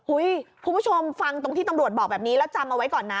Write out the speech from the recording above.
คุณผู้ชมฟังตรงที่ตำรวจบอกแบบนี้แล้วจำเอาไว้ก่อนนะ